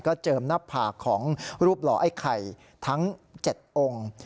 เจิมหน้าผากของรูปหล่อไอ้ไข่ทั้ง๗องค์